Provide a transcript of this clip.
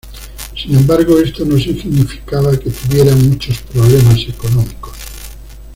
Sin embargo, esto no significaba que tuviera muchos problemas económicos.